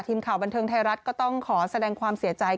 ทีมข่าวบันเทิงไทยรัฐก็ต้องขอแสดงความเสียใจ